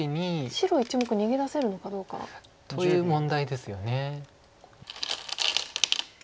白１目逃げ出せるのかどうか。という問題ですよね。